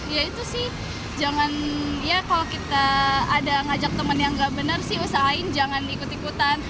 ya itu sih jangan ya kalau kita ada ngajak temen yang nggak bener sih usahain jangan ikut ikutan